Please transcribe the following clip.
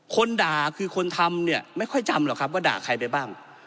คนด่าคือคนทำเนี่ยไม่ค่อยจำหรอกครับว่าด่าใครไปบ้าง